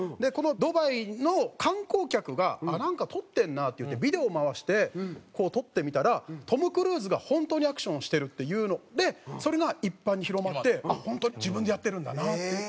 ドバイの観光客がなんか撮ってるなっていってビデオ回して撮ってみたらトム・クルーズが本当にアクションをしてるっていうのでそれが一般に広まって本当に自分でやってるんだなって。